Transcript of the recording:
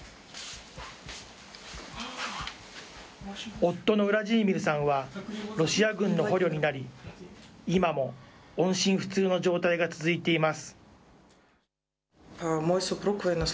夫のウラジーミルさんは、ロシア軍の捕虜になり、今も音信不通の状態が続いています。